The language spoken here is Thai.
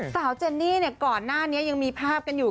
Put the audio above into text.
เจนนี่ก่อนหน้านี้ยังมีภาพกันอยู่